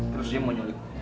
terus dia mau nyulik